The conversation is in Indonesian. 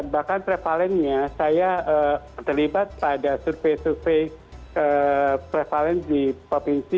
bahkan prevalentnya saya terlibat pada survei survei prevalent di provinsi